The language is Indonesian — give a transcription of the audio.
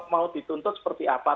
mau dituntut seperti apa